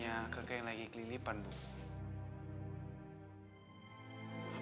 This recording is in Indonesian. tapi kaget valentina buat ayah pada itu ni